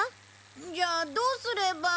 じゃあどうすれば。